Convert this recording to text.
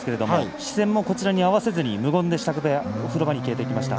視線をこちらに合わせずに風呂場に消えていきました。